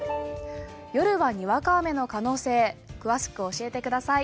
夜はにわか雨の可能性詳しく教えてください。